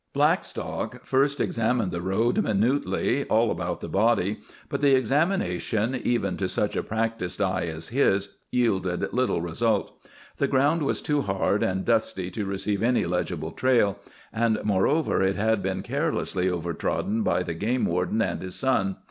Blackstock first examined the road minutely, all about the body, but the examination, even to such a practised eye as his, yielded little result. The ground was too hard and dusty to receive any legible trail, and, moreover, it had been carelessly over trodden by the game warden and his son.